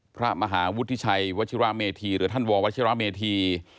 พระมหาวุฒิชัยวัชิราเมธีหรือท่านววัชิระเมธี